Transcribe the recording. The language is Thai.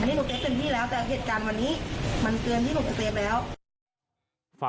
อันนี้หนูเก็บเต็มที่แล้วแต่เหตุการณ์วันนี้มันเกินที่หนูจะเซฟแล้ว